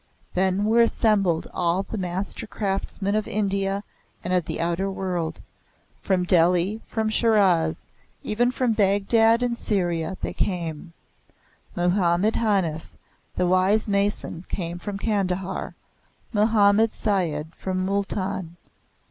Then were assembled all the master craftsmen of India and of the outer world. From Delhi, from Shiraz, even from Baghdad and Syria, they came. Muhammad Hanif, the wise mason, came from Kandahar, Muhammad Sayyid from Mooltan.